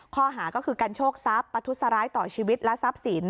ข้อหาก็คือการโชคทรัพย์ประทุษร้ายต่อชีวิตและทรัพย์สิน